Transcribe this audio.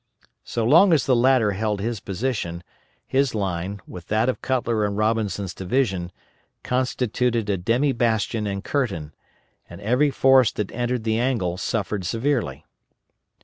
So long as the latter held his position, his line, with that of Cutler and Robinson's division, constituted a demi bastion and curtain, and every force that entered the angle suffered severely.